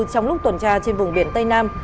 trong lúc tuần tra trên vùng biển tây nam